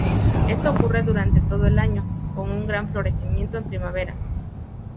Esto ocurre durante todo el año, con un gran florecimiento en primavera.